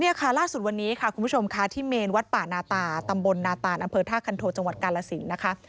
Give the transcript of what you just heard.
นี่ค่ะล่าสุดวันนี้ค่ะคุณผู้ชมค่ะที่เมนวัดป่านาตาตำบลนาตานอำเภอท่าคันโทจังหวัดกาลสินนะคะ